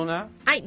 はい。